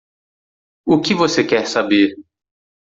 O que você quer saber?